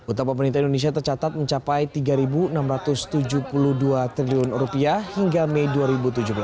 utang pemerintah indonesia tercatat mencapai rp tiga enam ratus tujuh puluh dua triliun hingga mei dua ribu tujuh belas